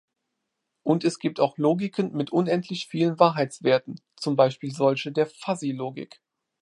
Und es gibt auch Logiken mit unendlich vielen Wahrheitswerten, zum Beispiel solche der Fuzzylogik.